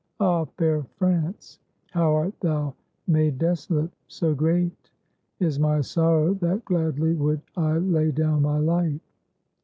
Ah, fair France, how art thou made desolate! So great is my sorrow that gladly would I lay down my life."